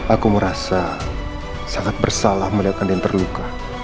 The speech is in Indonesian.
aku merasa sangat bersalah melihat andin terluka